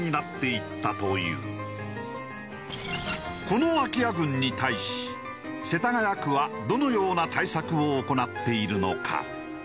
この空き家群に対し世田谷区はどのような対策を行っているのか？